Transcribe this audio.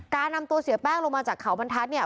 การนำตัวเสียแป้งลงมาจากเขาบรรทัศน์เนี่ย